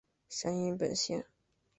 山阴本线。